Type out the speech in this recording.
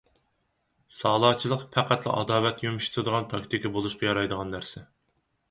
سالاچىلىق پەقەتلا ئاداۋەت يۇمشىتىدىغان تاكتىكا بولۇشقا يارايدىغان نەرسە.